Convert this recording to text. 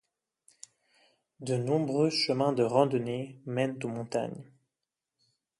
De nombreux chemins de randonnée mènent aux montagnes.